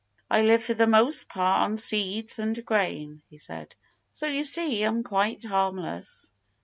"I live for the most part on seeds and grain," he said. "So you see I'm quite harmless."